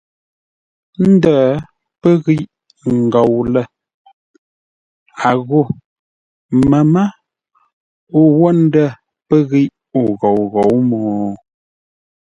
Ndə̂ pə́ ghíʼ ngôu lə̂, a ghô məmə́ o wə́ ndə̂ pə́ ghíʼ o ghôu ghǒu mo?